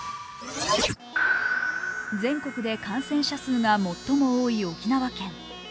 全国で感染者数が最も多い沖縄県。